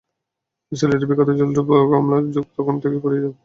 সিলেটের বিখ্যাত জলঢুপ কমলার যুগ তখন থেকেই ফুরিয়ে যেতে শুরু করে।